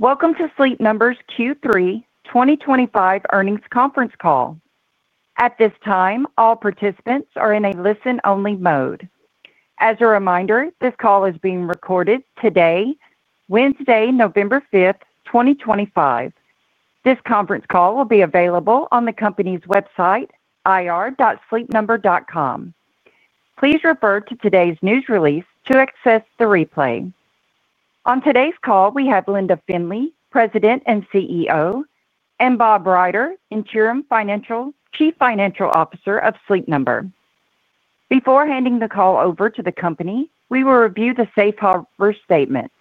Welcome to Sleep Number's Q3 2025 earnings conference call. At this time, all participants are in a listen-only mode. As a reminder, this call is being recorded today, Wednesday, November 5th, 2025. This conference call will be available on the company's website, irsleepnumber.com. Please refer to today's news release to access the replay. On today's call, we have Linda Findley, President and CEO, and Bob Ryder, Interim Chief Financial Officer of Sleep Number. Before handing the call over to the company, we will review the safe harbor statements.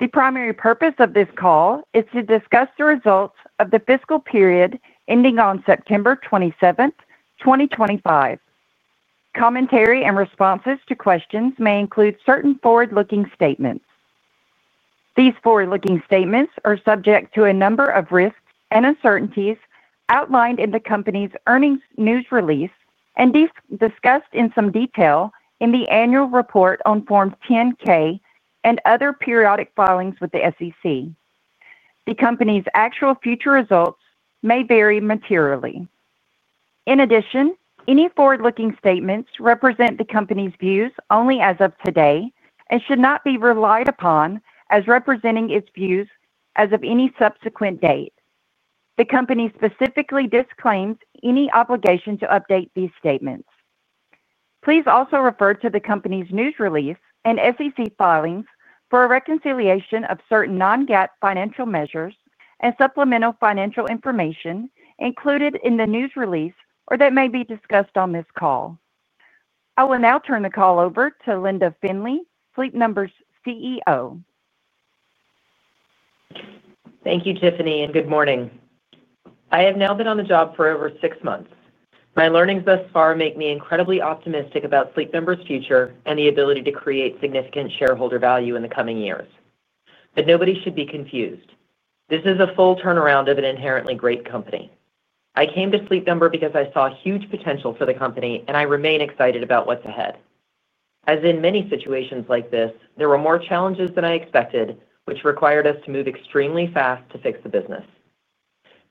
The primary purpose of this call is to discuss the results of the fiscal period ending on September 27th, 2025. Commentary and responses to questions may include certain forward-looking statements. These forward-looking statements are subject to a number of risks and uncertainties outlined in the company's earnings news release and discussed in some detail in the annual report on Form 10-K and other periodic filings with the SEC. The company's actual future results may vary materially. In addition, any forward-looking statements represent the company's views only as of today and should not be relied upon as representing its views as of any subsequent date. The company specifically disclaims any obligation to update these statements. Please also refer to the company's news release and SEC filings for a reconciliation of certain non-GAAP financial measures and supplemental financial information included in the news release or that may be discussed on this call. I will now turn the call over to Linda Findley, Sleep Number's CEO. Thank you, Tiffany, and good morning. I have now been on the job for over six months. My learnings thus far make me incredibly optimistic about Sleep Number's future and the ability to create significant shareholder value in the coming years. Nobody should be confused. This is a full turnaround of an inherently great company. I came to Sleep Number because I saw huge potential for the company, and I remain excited about what's ahead. As in many situations like this, there were more challenges than I expected, which required us to move extremely fast to fix the business.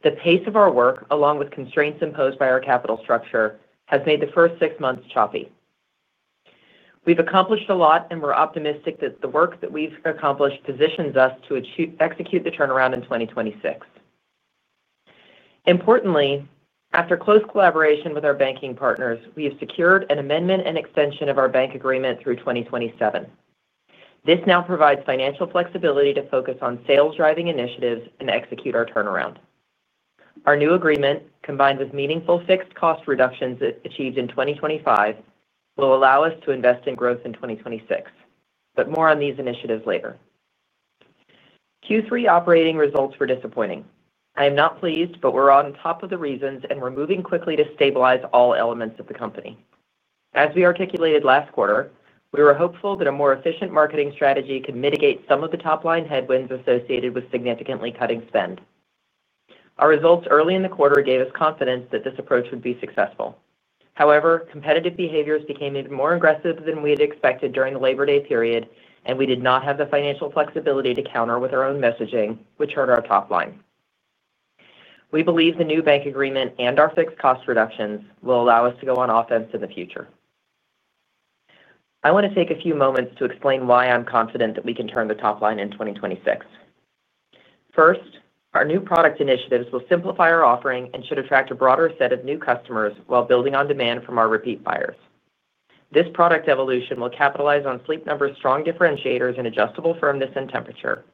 The pace of our work, along with constraints imposed by our capital structure, has made the first six months choppy. We've accomplished a lot, and we're optimistic that the work that we've accomplished positions us to execute the turnaround in 2026. Importantly, after close collaboration with our banking partners, we have secured an amendment and extension of our bank agreement through 2027. This now provides financial flexibility to focus on sales-driving initiatives and execute our turnaround. Our new agreement, combined with meaningful fixed cost reductions achieved in 2025, will allow us to invest in growth in 2026. More on these initiatives later. Q3 operating results were disappointing. I am not pleased, but we're on top of the reasons, and we're moving quickly to stabilize all elements of the company. As we articulated last quarter, we were hopeful that a more efficient marketing strategy could mitigate some of the top-line headwinds associated with significantly cutting spend. Our results early in the quarter gave us confidence that this approach would be successful. However, competitive behaviors became even more aggressive than we had expected during the Labor Day period, and we did not have the financial flexibility to counter with our own messaging, which hurt our top line. We believe the new bank agreement and our fixed cost reductions will allow us to go on offense in the future. I want to take a few moments to explain why I'm confident that we can turn the top line in 2026. First, our new product initiatives will simplify our offering and should attract a broader set of new customers while building on demand from our repeat buyers. This product evolution will capitalize on Sleep Number's strong differentiators and adjustable firmness and temperature.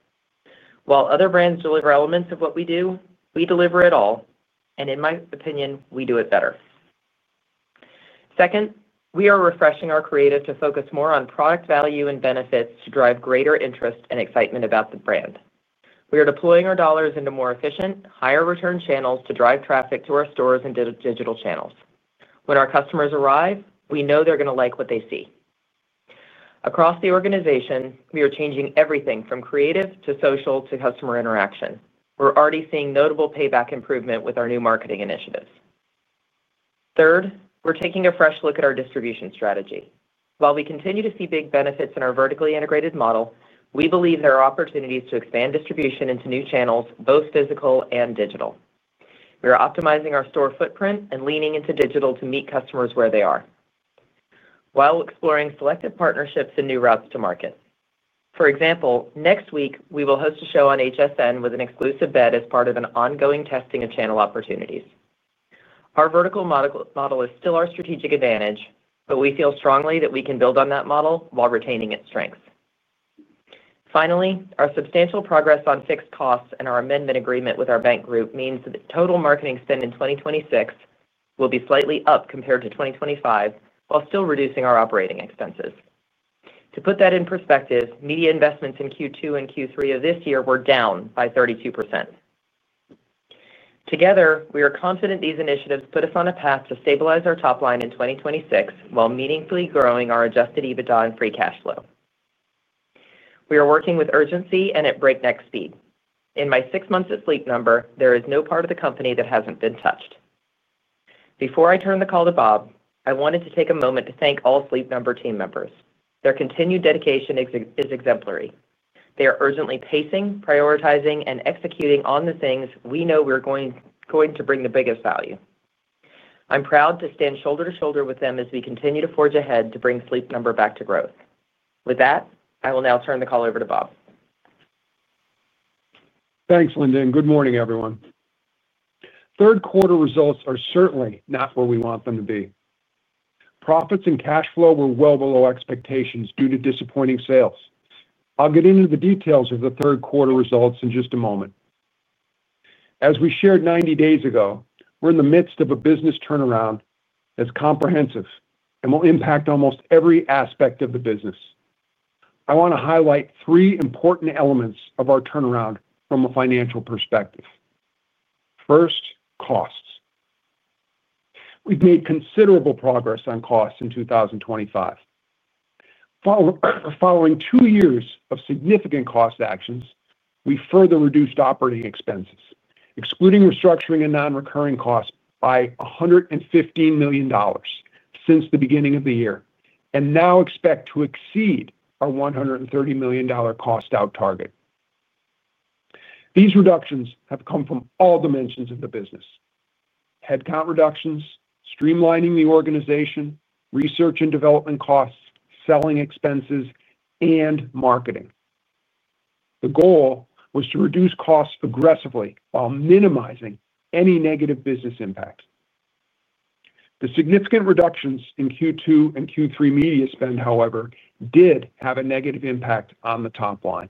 While other brands deliver elements of what we do, we deliver it all, and in my opinion, we do it better. Second, we are refreshing our creative to focus more on product value and benefits to drive greater interest and excitement about the brand. We are deploying our dollars into more efficient, higher-return channels to drive traffic to our stores and digital channels. When our customers arrive, we know they're going to like what they see. Across the organization, we are changing everything from creative to social to customer interaction. We're already seeing notable payback improvement with our new marketing initiatives. Third, we're taking a fresh look at our distribution strategy. While we continue to see big benefits in our vertically integrated model, we believe there are opportunities to expand distribution into new channels, both physical and digital. We are optimizing our store footprint and leaning into digital to meet customers where they are. While exploring selective partnerships and new routes to market. For example, next week, we will host a show on HSN with an exclusive bed as part of an ongoing testing of channel opportunities. Our vertical model is still our strategic advantage, but we feel strongly that we can build on that model while retaining its strengths. Finally, our substantial progress on fixed costs and our amendment agreement with our bank group means that total marketing spend in 2026 will be slightly up compared to 2025 while still reducing our operating expenses. To put that in perspective, media investments in Q2 and Q3 of this year were down by 32%. Together, we are confident these initiatives put us on a path to stabilize our top line in 2026 while meaningfully growing our adjusted EBITDA and free cash flow. We are working with urgency and at breakneck speed. In my six months at Sleep Number, there is no part of the company that hasn't been touched. Before I turn the call to Bob, I wanted to take a moment to thank all Sleep Number team members. Their continued dedication is exemplary. They are urgently pacing, prioritizing, and executing on the things we know are going to bring the biggest value. I'm proud to stand shoulder to shoulder with them as we continue to forge ahead to bring Sleep Number back to growth. With that, I will now turn the call over to Bob. Thanks, Linda. Good morning, everyone. Third-quarter results are certainly not where we want them to be. Profits and cash flow were well below expectations due to disappointing sales. I'll get into the details of the third-quarter results in just a moment. As we shared 90 days ago, we're in the midst of a business turnaround that's comprehensive and will impact almost every aspect of the business. I want to highlight three important elements of our turnaround from a financial perspective. First, costs. We've made considerable progress on costs in 2023. Following two years of significant cost actions, we further reduced operating expenses, excluding restructuring and non-recurring costs, by $115 million since the beginning of the year, and now expect to exceed our $130 million cost-out target. These reductions have come from all dimensions of the business: headcount reductions, streamlining the organization, research and development costs, selling expenses, and marketing. The goal was to reduce costs aggressively while minimizing any negative business impact. The significant reductions in Q2 and Q3 media spend, however, did have a negative impact on the top line.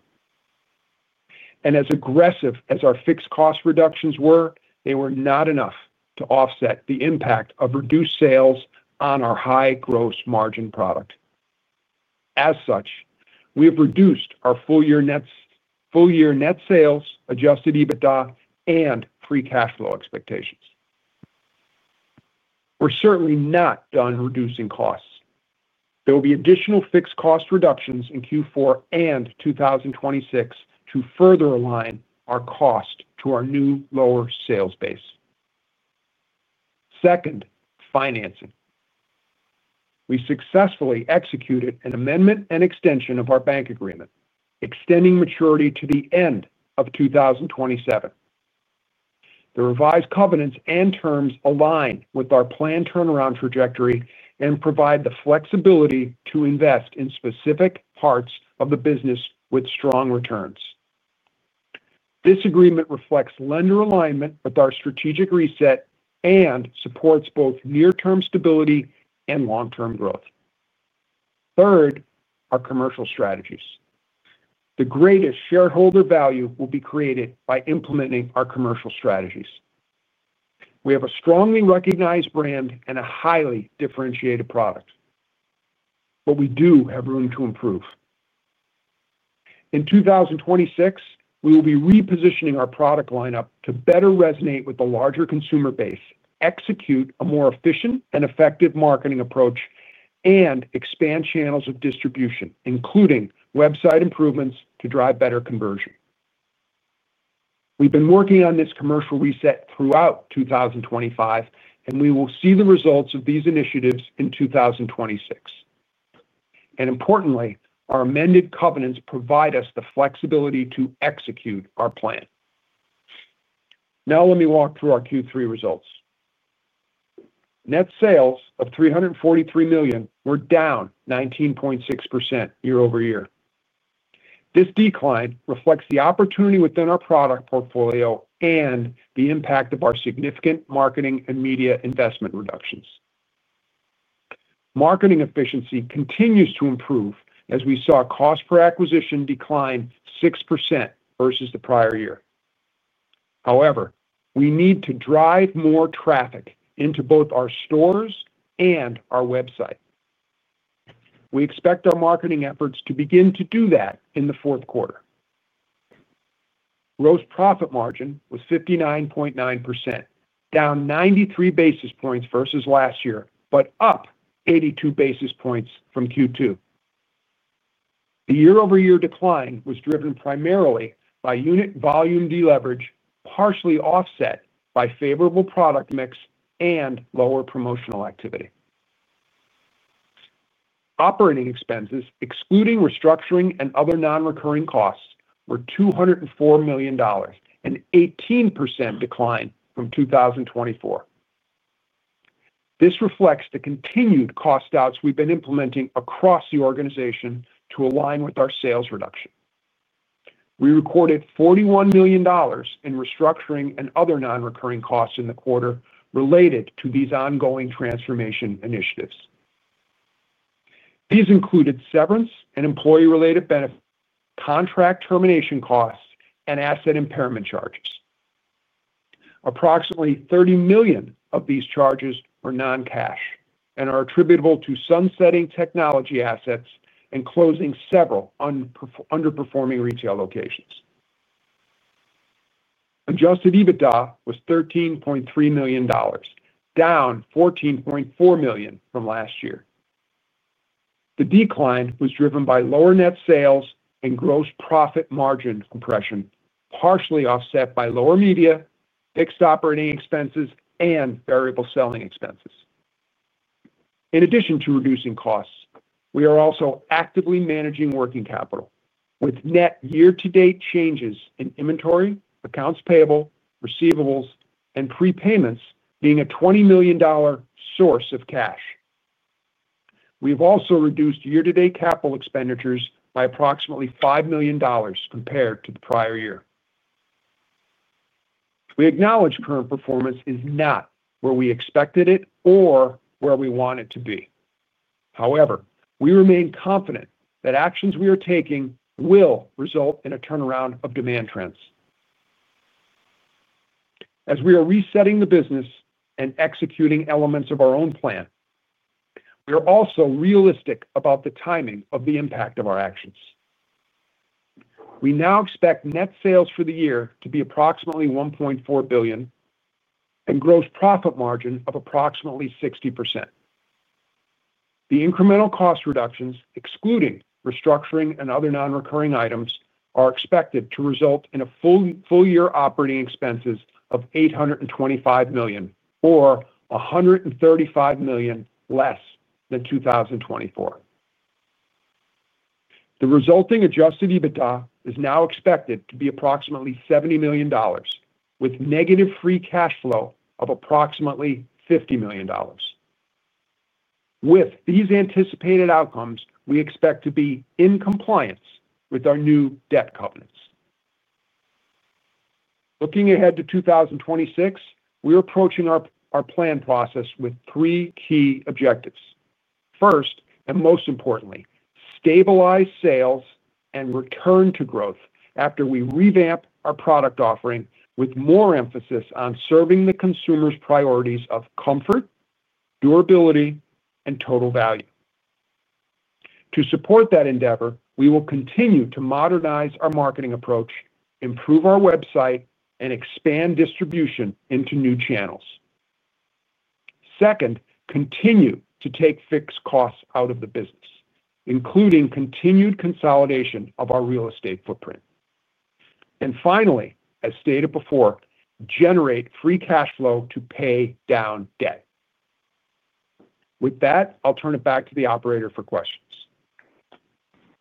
As aggressive as our fixed cost reductions were, they were not enough to offset the impact of reduced sales on our high gross margin product. As such, we have reduced our full-year net sales, adjusted EBITDA, and free cash flow expectations. We're certainly not done reducing costs. There will be additional fixed cost reductions in Q4 and 2026 to further align our cost to our new lower sales base. Second, financing. We successfully executed an amendment and extension of our bank agreement, extending maturity to the end of 2027. The revised covenants and terms align with our planned turnaround trajectory and provide the flexibility to invest in specific parts of the business with strong returns. This agreement reflects lender alignment with our strategic reset and supports both near-term stability and long-term growth. Third, our commercial strategies. The greatest shareholder value will be created by implementing our commercial strategies. We have a strongly recognized brand and a highly differentiated product. We do have room to improve. In 2026, we will be repositioning our product lineup to better resonate with the larger consumer base, execute a more efficient and effective marketing approach, and expand channels of distribution, including website improvements to drive better conversion. We've been working on this commercial reset throughout 2025, and we will see the results of these initiatives in 2026. Importantly, our amended covenants provide us the flexibility to execute our plan. Now, let me walk through our Q3 results. Net sales of $343 million were down 19.6% year over year. This decline reflects the opportunity within our product portfolio and the impact of our significant marketing and media investment reductions. Marketing efficiency continues to improve as we saw cost per acquisition decline 6% versus the prior year. However, we need to drive more traffic into both our stores and our website. We expect our marketing efforts to begin to do that in the fourth quarter. Gross profit margin was 59.9%, down 93 basis points versus last year, but up 82 basis points from Q2. The year-over-year decline was driven primarily by unit volume deleverage, partially offset by favorable product mix and lower promotional activity. Operating expenses, excluding restructuring and other non-recurring costs, were $204 million, an 18% decline from 2024. This reflects the continued cost outs we've been implementing across the organization to align with our sales reduction. We recorded $41 million in restructuring and other non-recurring costs in the quarter related to these ongoing transformation initiatives. These included severance and employee-related benefits, contract termination costs, and asset impairment charges. Approximately $30 million of these charges were non-cash and are attributable to sunsetting technology assets and closing several underperforming retail locations. Adjusted EBITDA was $13.3 million, down $14.4 million from last year. The decline was driven by lower net sales and gross profit margin compression, partially offset by lower media, fixed operating expenses, and variable selling expenses. In addition to reducing costs, we are also actively managing working capital, with net year-to-date changes in inventory, accounts payable, receivables, and prepayments being a $20 million source of cash. We have also reduced year-to-date capital expenditures by approximately $5 million compared to the prior year. We acknowledge current performance is not where we expected it or where we want it to be. However, we remain confident that actions we are taking will result in a turnaround of demand trends. As we are resetting the business and executing elements of our own plan, we are also realistic about the timing of the impact of our actions. We now expect net sales for the year to be approximately $1.4 billion and gross profit margin of approximately 60%. The incremental cost reductions, excluding restructuring and other non-recurring items, are expected to result in full-year operating expenses of $825 million, or $135 million less than 2024. The resulting adjusted EBITDA is now expected to be approximately $70 million, with negative free cash flow of approximately $50 million. With these anticipated outcomes, we expect to be in compliance with our new debt covenants. Looking ahead to 2026, we are approaching our plan process with three key objectives. First, and most importantly, stabilize sales and return to growth after we revamp our product offering with more emphasis on serving the consumer's priorities of comfort, durability, and total value. To support that endeavor, we will continue to modernize our marketing approach, improve our website, and expand distribution into new channels. Second, continue to take fixed costs out of the business, including continued consolidation of our real estate footprint. Finally, as stated before, generate free cash flow to pay down debt. With that, I'll turn it back to the operator for questions.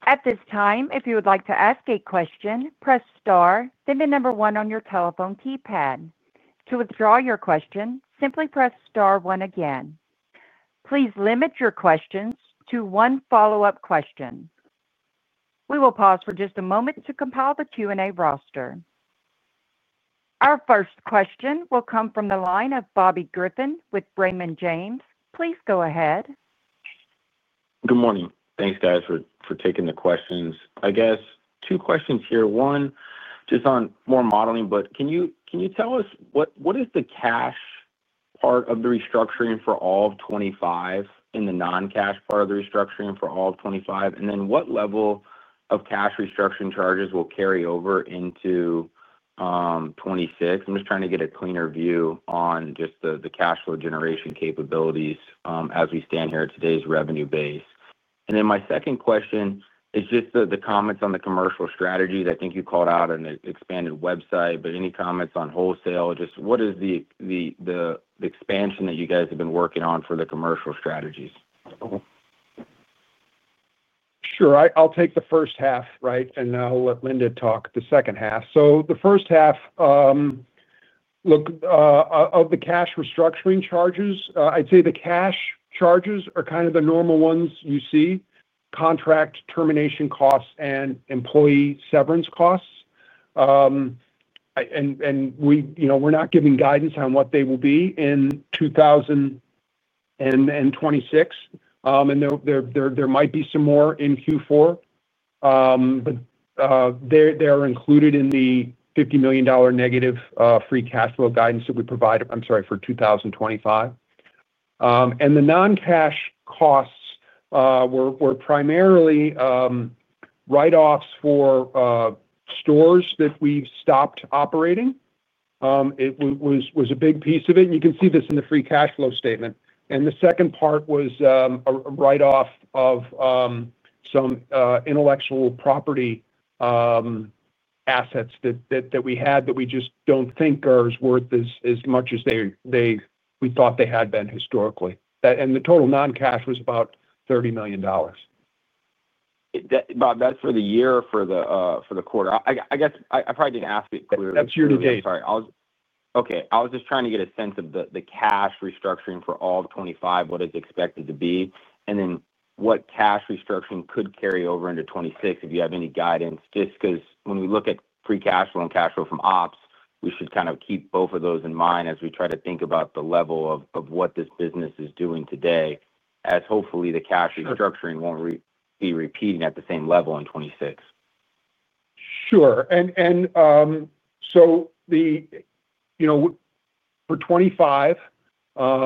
At this time, if you would like to ask a question, press star, then the number one on your telephone keypad. To withdraw your question, simply press star one again. Please limit your questions to one follow-up question. We will pause for just a moment to compile the Q&A roster. Our first question will come from the line of Robert Griffin with Braman James. Please go ahead. Good morning. Thanks, guys, for taking the questions. I guess two questions here. One just on more modeling, but can you tell us what is the cash part of the restructuring for all of 2025 and the non-cash part of the restructuring for all of 2025? And then what level of cash restructuring charges will carry over into 2026? I'm just trying to get a cleaner view on just the cash flow generation capabilities as we stand here at today's revenue base. My second question is just the comments on the commercial strategies. I think you called out an expanded website, but any comments on wholesale? Just what is the expansion that you guys have been working on for the commercial strategies? Sure. I'll take the first half, right, and I'll let Linda talk the second half. The first half of the cash restructuring charges, I'd say the cash charges are kind of the normal ones you see: contract termination costs and employee severance costs. We're not giving guidance on what they will be in 2026. There might be some more in Q4. They are included in the $50 million negative free cash flow guidance that we provided, I'm sorry, for 2025. The non-cash costs were primarily write-offs for stores that we've stopped operating. It was a big piece of it. You can see this in the free cash flow statement. The second part was a write-off of some intellectual property assets that we had that we just don't think are worth as much as we thought they had been historically. The total non-cash was about $30 million. Bob, that's for the year, for the quarter. I guess I probably didn't ask it clearly. That's year to date. I'm sorry. Okay. I was just trying to get a sense of the cash restructuring for all of '25, what is expected to be, and then what cash restructuring could carry over into '26, if you have any guidance, just because when we look at free cash flow and cash flow from ops, we should kind of keep both of those in mind as we try to think about the level of what this business is doing today, as hopefully the cash restructuring won't be repeating at the same level in '26. Sure. For 2025, the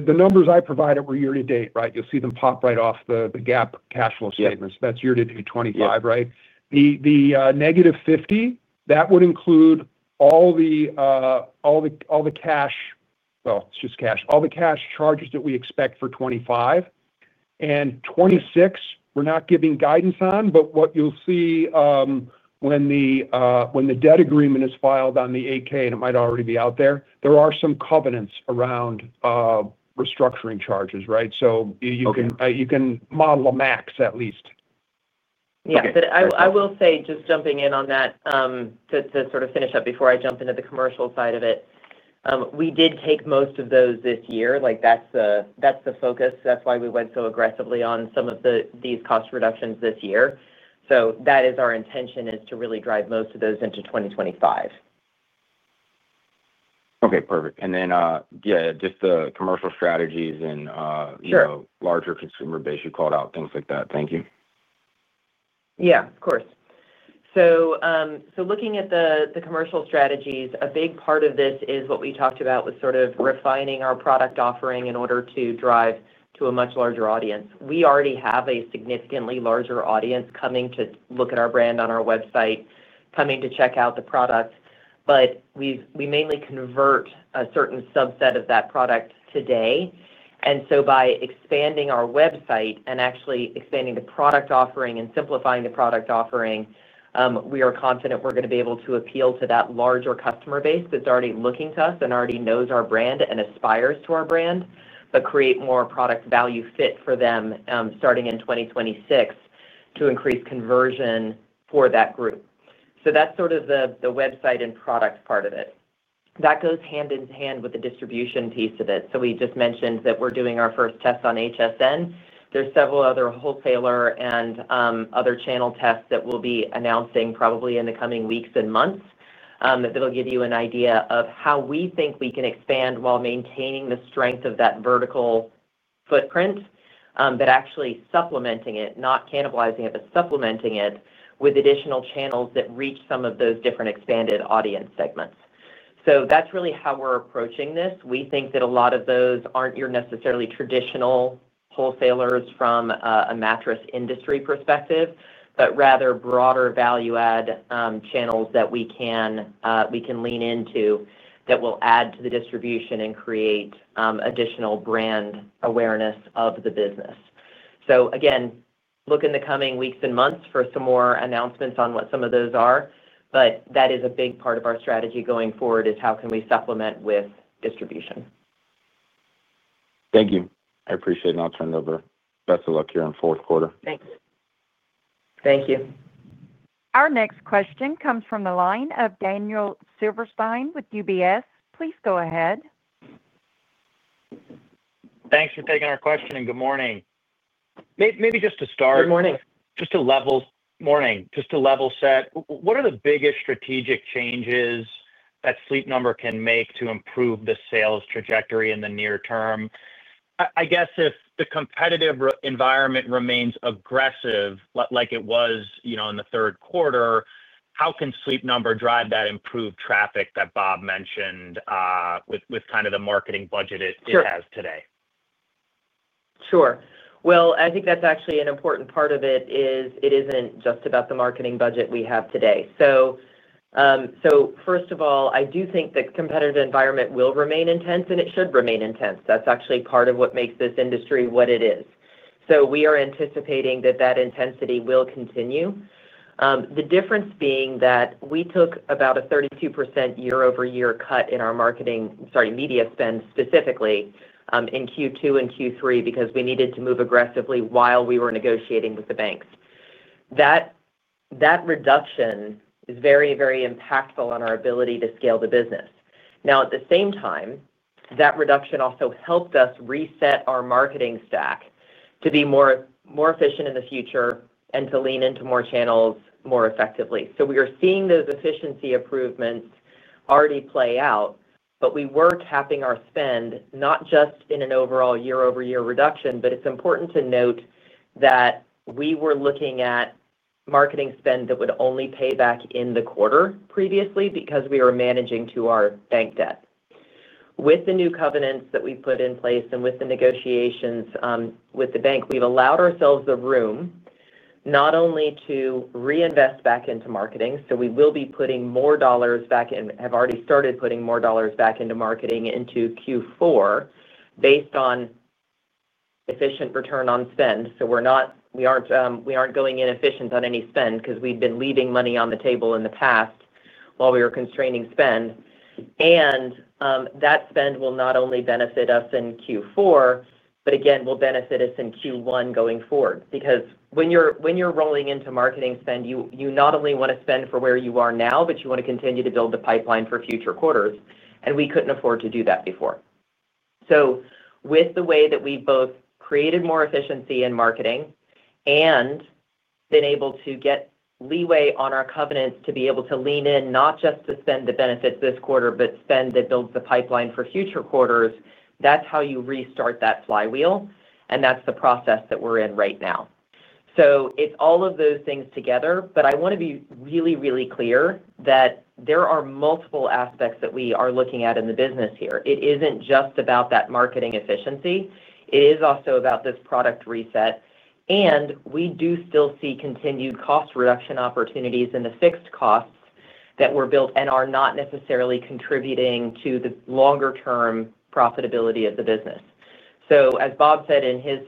numbers I provided were year to date, right? You'll see them pop right off the GAAP cash flow statements. That's year to date 2025, right? The negative 50, that would include all the cash—all the cash charges that we expect for 2025. For 2026, we're not giving guidance on, but what you'll see when the debt agreement is filed on the 8-K, and it might already be out there, there are some covenants around restructuring charges, right? You can model a max at least. Yes. I will say, just jumping in on that. To sort of finish up before I jump into the commercial side of it. We did take most of those this year. That's the focus. That's why we went so aggressively on some of these cost reductions this year. That is our intention, is to really drive most of those into 2025. Okay. Perfect. And then, yeah, just the commercial strategies and larger consumer base, you called out things like that. Thank you. Yeah, of course. Looking at the commercial strategies, a big part of this is what we talked about with sort of refining our product offering in order to drive to a much larger audience. We already have a significantly larger audience coming to look at our brand on our website, coming to check out the products. We mainly convert a certain subset of that product today. By expanding our website and actually expanding the product offering and simplifying the product offering, we are confident we're going to be able to appeal to that larger customer base that's already looking to us and already knows our brand and aspires to our brand, but create more product value fit for them starting in 2026 to increase conversion for that group. That's sort of the website and product part of it. That goes hand in hand with the distribution piece of it. We just mentioned that we're doing our first test on HSN. There are several other wholesaler and other channel tests that we'll be announcing probably in the coming weeks and months that will give you an idea of how we think we can expand while maintaining the strength of that vertical footprint, but actually supplementing it, not cannibalizing it, but supplementing it with additional channels that reach some of those different expanded audience segments. That's really how we're approaching this. We think that a lot of those aren't necessarily your traditional wholesalers from a mattress industry perspective, but rather broader value-add channels that we can lean into that will add to the distribution and create additional brand awareness of the business. Again, look in the coming weeks and months for some more announcements on what some of those are. That is a big part of our strategy going forward, is how can we supplement with distribution. Thank you. I appreciate it. I'll turn it over. Best of luck here in fourth quarter. Thanks. Thank you. Our next question comes from the line of Daniel Silverstein with UBS. Please go ahead. Thanks for taking our question and good morning. Maybe just to start. Good morning. Just to level set, what are the biggest strategic changes that Sleep Number can make to improve the sales trajectory in the near term? I guess if the competitive environment remains aggressive like it was in the third quarter, how can Sleep Number drive that improved traffic that Bob mentioned, with kind of the marketing budget it has today? Sure. I think that's actually an important part of it, is it isn't just about the marketing budget we have today. First of all, I do think the competitive environment will remain intense, and it should remain intense. That's actually part of what makes this industry what it is. We are anticipating that that intensity will continue. The difference being that we took about a 32% year-over-year cut in our marketing, sorry, media spend specifically in Q2 and Q3 because we needed to move aggressively while we were negotiating with the banks. That reduction is very, very impactful on our ability to scale the business. At the same time, that reduction also helped us reset our marketing stack to be more efficient in the future and to lean into more channels more effectively. We are seeing those efficiency improvements already play out, but we were capping our spend, not just in an overall year-over-year reduction. It is important to note that we were looking at marketing spend that would only pay back in the quarter previously because we were managing to our bank debt. With the new covenants that we have put in place and with the negotiations with the bank, we have allowed ourselves the room not only to reinvest back into marketing. We will be putting more dollars back in, have already started putting more dollars back into marketing into Q4, based on efficient return on spend. We are not going inefficient on any spend because we have been leaving money on the table in the past while we were constraining spend. That spend will not only benefit us in Q4, but again, will benefit us in Q1 going forward. Because when you're rolling into marketing spend, you not only want to spend for where you are now, but you want to continue to build the pipeline for future quarters. We could not afford to do that before. With the way that we have both created more efficiency in marketing and been able to get leeway on our covenants to be able to lean in not just to spend the benefits this quarter, but spend that builds the pipeline for future quarters, that is how you restart that flywheel. That is the process that we are in right now. It is all of those things together, but I want to be really, really clear that there are multiple aspects that we are looking at in the business here. It is not just about that marketing efficiency. It is also about this product reset. We do still see continued cost reduction opportunities in the fixed costs that were built and are not necessarily contributing to the longer-term profitability of the business. As Bob said in his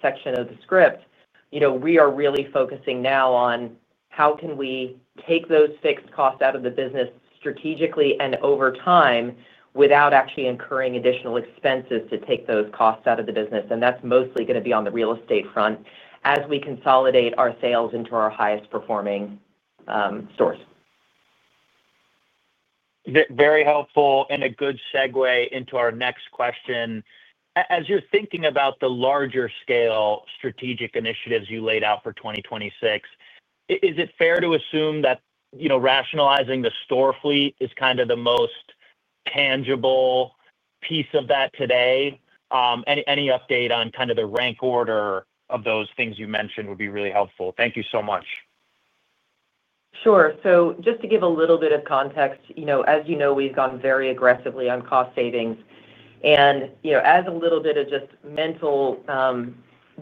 section of the script, we are really focusing now on how we can take those fixed costs out of the business strategically and over time without actually incurring additional expenses to take those costs out of the business. That is mostly going to be on the real estate front as we consolidate our sales into our highest performing stores. Very helpful and a good segue into our next question. As you're thinking about the larger-scale strategic initiatives you laid out for 2026, is it fair to assume that rationalizing the store fleet is kind of the most tangible piece of that today? Any update on kind of the rank order of those things you mentioned would be really helpful. Thank you so much. Sure. Just to give a little bit of context, as you know, we've gone very aggressively on cost savings. As a little bit of just mental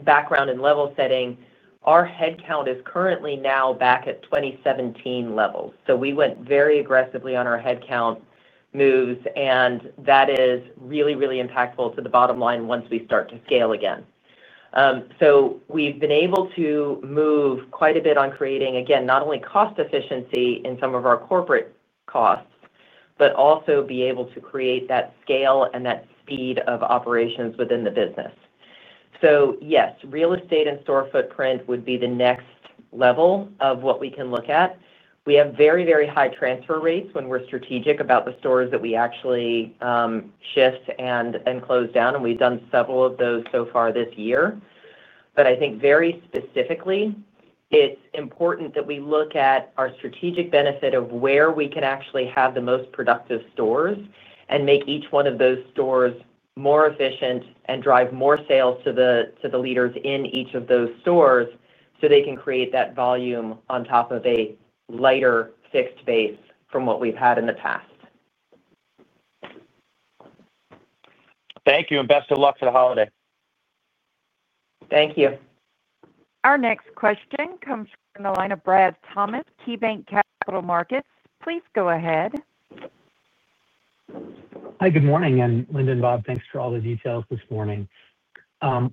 background and level setting, our headcount is currently now back at 2017 levels. We went very aggressively on our headcount moves, and that is really, really impactful to the bottom line once we start to scale again. We've been able to move quite a bit on creating, again, not only cost efficiency in some of our corporate costs, but also be able to create that scale and that speed of operations within the business. Yes, real estate and store footprint would be the next level of what we can look at. We have very, very high transfer rates when we're strategic about the stores that we actually shift and close down. We have done several of those so far this year. I think very specifically, it is important that we look at our strategic benefit of where we can actually have the most productive stores and make each one of those stores more efficient and drive more sales to the leaders in each of those stores so they can create that volume on top of a lighter fixed base from what we have had in the past. Thank you. Best of luck for the holiday. Thank you. Our next question comes from the line of Brad Thomas, KeyBank Capital Markets. Please go ahead. Hi, good morning. Linda and Bob, thanks for all the details this morning.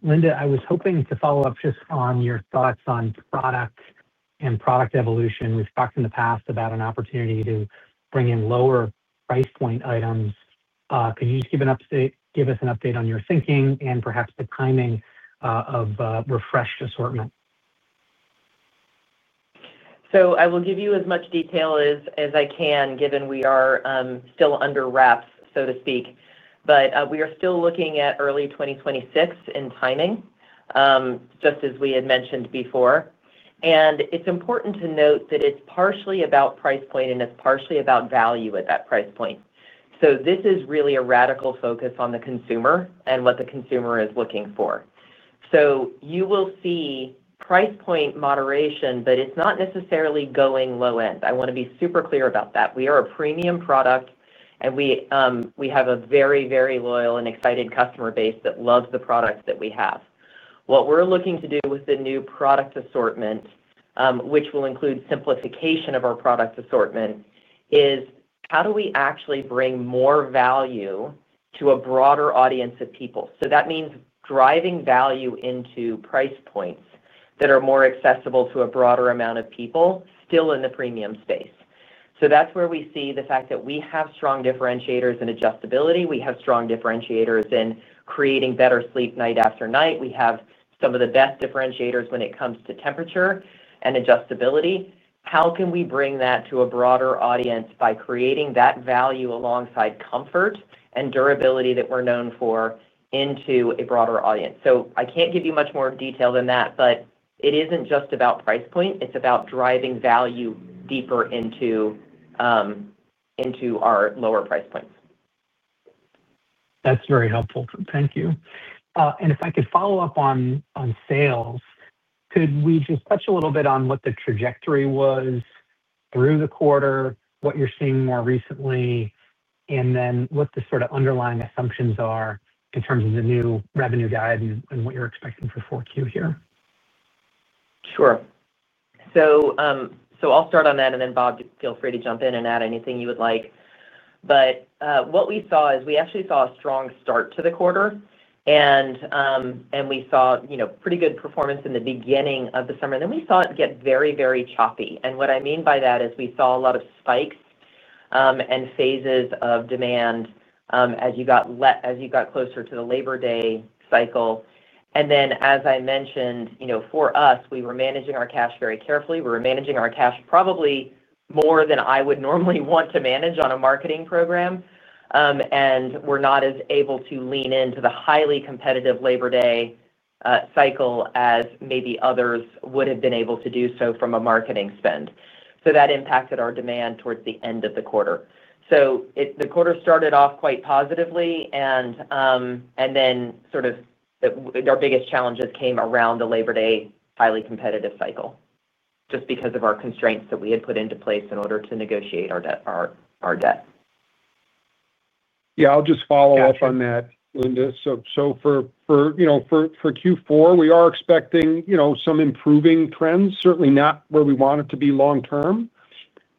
Linda, I was hoping to follow up just on your thoughts on product and product evolution. We've talked in the past about an opportunity to bring in lower price point items. Could you just give us an update on your thinking and perhaps the timing of refreshed assortment? I will give you as much detail as I can, given we are still under wraps, so to speak. We are still looking at early 2026 in timing, just as we had mentioned before. It is important to note that it is partially about price point and it is partially about value at that price point. This is really a radical focus on the consumer and what the consumer is looking for. You will see price point moderation, but it is not necessarily going low end. I want to be super clear about that. We are a premium product, and we have a very, very loyal and excited customer base that loves the products that we have. What we are looking to do with the new product assortment, which will include simplification of our product assortment, is how do we actually bring more value to a broader audience of people? That means driving value into price points that are more accessible to a broader amount of people still in the premium space. That is where we see the fact that we have strong differentiators in adjustability. We have strong differentiators in creating better sleep night after night. We have some of the best differentiators when it comes to temperature and adjustability. How can we bring that to a broader audience by creating that value alongside comfort and durability that we are known for into a broader audience? I cannot give you much more detail than that, but it is not just about price point. It is about driving value deeper into our lower price points. That's very helpful. Thank you. If I could follow up on sales, could we just touch a little bit on what the trajectory was through the quarter, what you're seeing more recently, and then what the sort of underlying assumptions are in terms of the new revenue guide and what you're expecting for 4Q here? Sure. I'll start on that, and then Bob, feel free to jump in and add anything you would like. What we saw is we actually saw a strong start to the quarter. We saw pretty good performance in the beginning of the summer. Then we saw it get very, very choppy. What I mean by that is we saw a lot of spikes and phases of demand as you got closer to the Labor Day cycle. As I mentioned, for us, we were managing our cash very carefully. We were managing our cash probably more than I would normally want to manage on a marketing program. We're not as able to lean into the highly competitive Labor Day cycle as maybe others would have been able to do so from a marketing spend. That impacted our demand towards the end of the quarter. The quarter started off quite positively, and then sort of our biggest challenges came around the Labor Day highly competitive cycle just because of our constraints that we had put into place in order to negotiate our debt. Yeah, I'll just follow up on that, Linda. For Q4, we are expecting some improving trends, certainly not where we want it to be long term.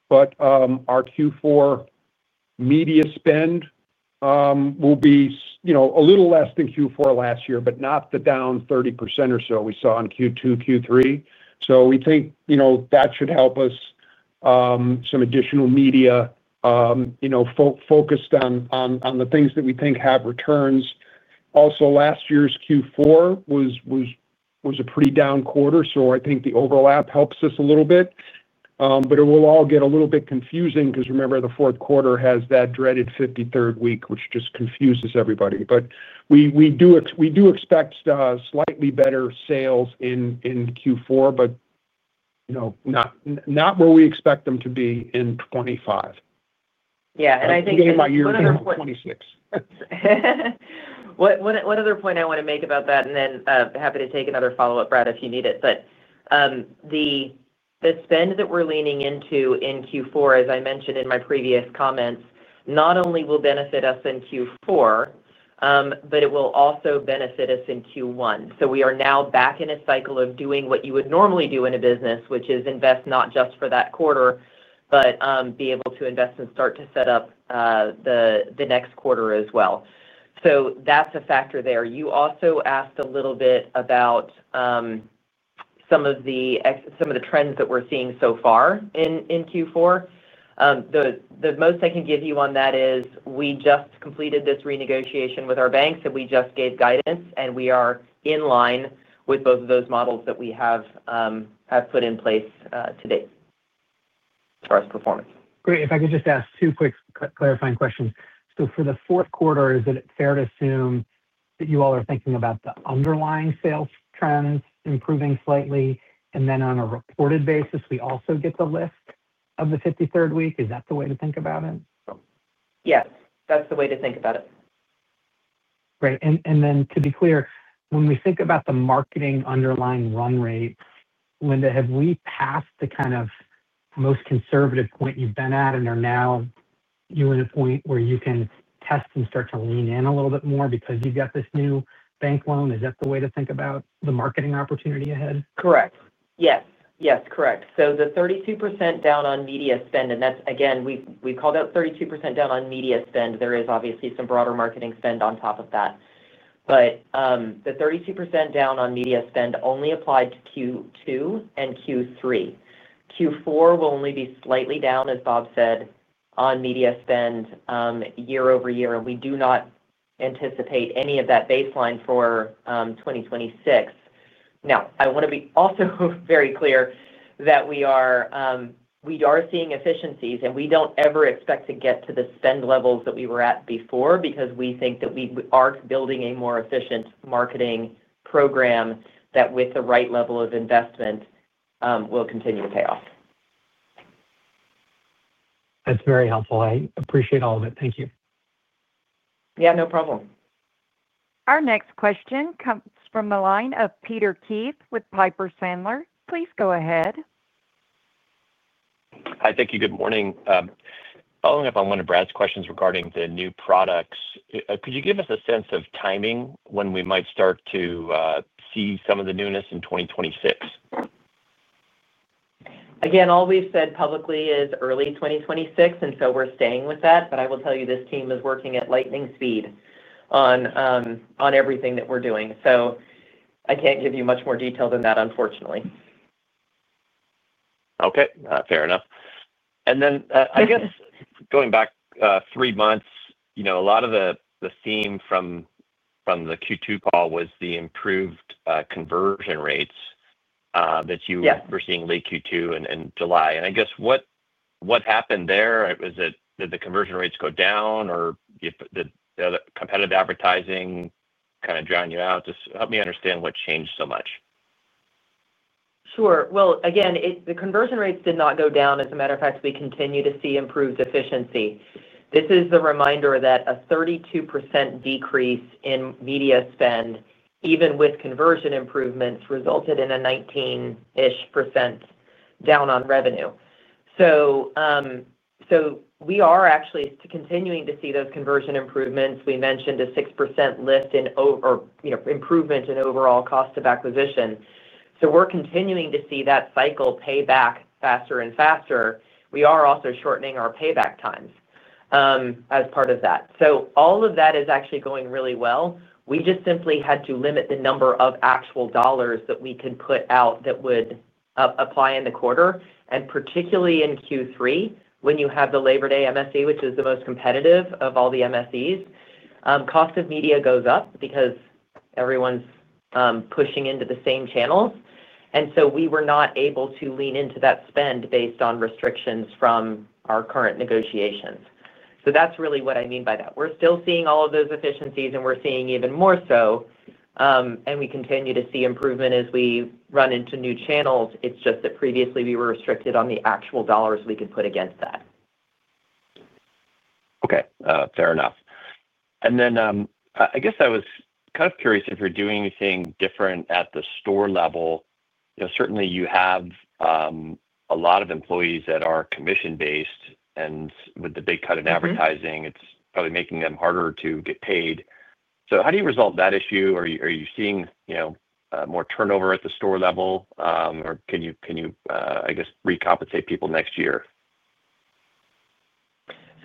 Our Q4 media spend will be a little less than Q4 last year, but not the down 30% or so we saw in Q2, Q3. We think that should help us. Some additional media focused on the things that we think have returns. Also, last year's Q4 was a pretty down quarter, so I think the overlap helps us a little bit. It will all get a little bit confusing because remember, the fourth quarter has that dreaded 53rd week, which just confuses everybody. We do expect slightly better sales in Q4, but not where we expect them to be in 2025. Yeah. I think. It's the same idea for '26. One other point I want to make about that, and then happy to take another follow-up, Brad, if you need it. The spend that we're leaning into in Q4, as I mentioned in my previous comments, not only will benefit us in Q4. It will also benefit us in Q1. We are now back in a cycle of doing what you would normally do in a business, which is invest not just for that quarter, but be able to invest and start to set up the next quarter as well. That's a factor there. You also asked a little bit about some of the trends that we're seeing so far in Q4. The most I can give you on that is we just completed this renegotiation with our banks, and we just gave guidance, and we are in line with both of those models that we have put in place to date as far as performance. Great. If I could just ask two quick clarifying questions. For the fourth quarter, is it fair to assume that you all are thinking about the underlying sales trends improving slightly, and then on a reported basis, we also get the lift of the 53rd week? Is that the way to think about it? Yes. That's the way to think about it. Great. To be clear, when we think about the marketing underlying run rate, Linda, have we passed the kind of most conservative point you've been at, and are now in a point where you can test and start to lean in a little bit more because you've got this new bank loan? Is that the way to think about the marketing opportunity ahead? Correct. Yes. Yes. Correct. The 32% down on media spend, and that's, again, we called out 32% down on media spend. There is obviously some broader marketing spend on top of that. The 32% down on media spend only applied to Q2 and Q3. Q4 will only be slightly down, as Bob said, on media spend year over year, and we do not anticipate any of that baseline for 2026. Now, I want to be also very clear that we are seeing efficiencies, and we do not ever expect to get to the spend levels that we were at before because we think that we are building a more efficient marketing program that, with the right level of investment, will continue to pay off. That's very helpful. I appreciate all of it. Thank you. Yeah, no problem. Our next question comes from the line of Peter Keith with Piper Sandler. Please go ahead. Hi, thank you. Good morning. Following up on one of Brad's questions regarding the new products, could you give us a sense of timing when we might start to see some of the newness in 2026? Again, all we've said publicly is early 2026, and we're staying with that. I will tell you this team is working at lightning speed on everything that we're doing. I can't give you much more detail than that, unfortunately. Okay. Fair enough. I guess going back three months, a lot of the theme from the Q2 call was the improved conversion rates that you were seeing late Q2 and July. I guess what happened there? Did the conversion rates go down, or did the competitive advertising kind of drown you out? Just help me understand what changed so much. Sure. Again, the conversion rates did not go down. As a matter of fact, we continue to see improved efficiency. This is the reminder that a 32% decrease in media spend, even with conversion improvements, resulted in a 19%-ish down on revenue. We are actually continuing to see those conversion improvements. We mentioned a 6% lift in improvement in overall cost of acquisition. We are continuing to see that cycle pay back faster and faster. We are also shortening our payback times as part of that. All of that is actually going really well. We just simply had to limit the number of actual dollars that we could put out that would apply in the quarter. Particularly in Q3, when you have the Labor Day MSE, which is the most competitive of all the MSEs, cost of media goes up because everyone's pushing into the same channels. We were not able to lean into that spend based on restrictions from our current negotiations. That is really what I mean by that. We are still seeing all of those efficiencies, and we are seeing even more so. We continue to see improvement as we run into new channels. It is just that previously we were restricted on the actual dollars we could put against that. Okay. Fair enough. I guess I was kind of curious if you're doing anything different at the store level. Certainly, you have a lot of employees that are commission-based, and with the big cut in advertising, it's probably making them harder to get paid. How do you resolve that issue? Are you seeing more turnover at the store level, or can you, I guess, recompensate people next year?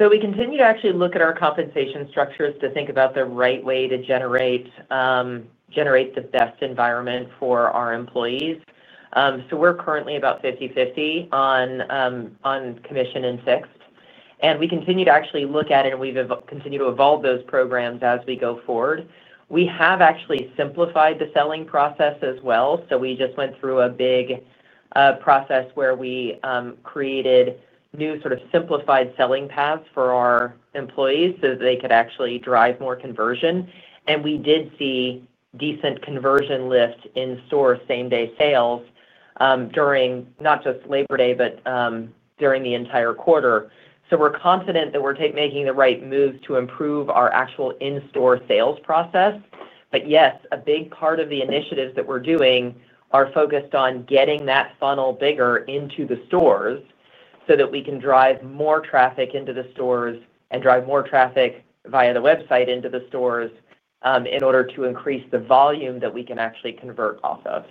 We continue to actually look at our compensation structures to think about the right way to generate the best environment for our employees. We're currently about 50/50 on commission and fixed, and we continue to actually look at it, and we've continued to evolve those programs as we go forward. We have actually simplified the selling process as well. We just went through a big process where we created new sort of simplified selling paths for our employees so that they could actually drive more conversion. We did see decent conversion lift in store same-day sales during not just Labor Day, but during the entire quarter. We're confident that we're making the right moves to improve our actual in-store sales process. Yes, a big part of the initiatives that we're doing are focused on getting that funnel bigger into the stores so that we can drive more traffic into the stores and drive more traffic via the website into the stores in order to increase the volume that we can actually convert off of.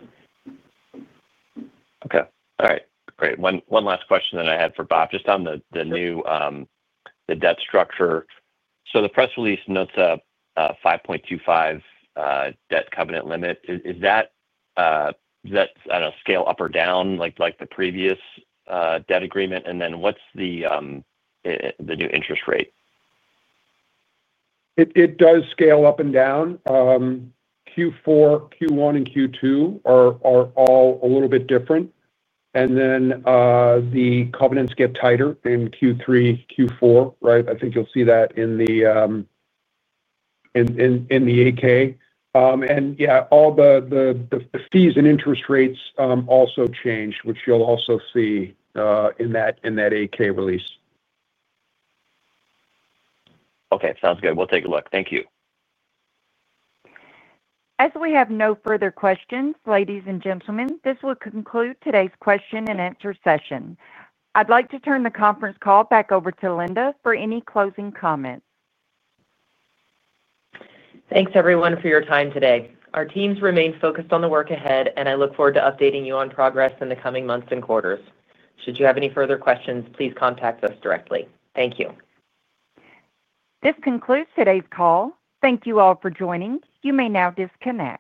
Okay. All right. Great. One last question that I had for Bob, just on the debt structure. So the press release notes a 5.25 debt covenant limit. Is that on a scale up or down, like the previous debt agreement? And then what's the new interest rate? It does scale up and down. Q4, Q1, and Q2 are all a little bit different. The covenants get tighter in Q3, Q4, right? I think you'll see that in the 8-K. Yeah, all the fees and interest rates also changed, which you'll also see in that 8-K release. Okay. Sounds good. We'll take a look. Thank you. As we have no further questions, ladies and gentlemen, this will conclude today's question and answer session. I'd like to turn the conference call back over to Linda for any closing comments. Thanks, everyone, for your time today. Our teams remain focused on the work ahead, and I look forward to updating you on progress in the coming months and quarters. Should you have any further questions, please contact us directly. Thank you. This concludes today's call. Thank you all for joining. You may now disconnect.